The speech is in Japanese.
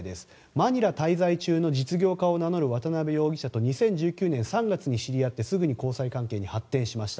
マニラ滞在中の実業家を名乗る渡邉容疑者と２０１９年３月に知り合ってすぐに交際関係に発展しました。